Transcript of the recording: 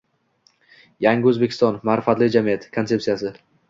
“Yangi O‘zbekiston – ma’rifatli jamiyat” konsepsiyasi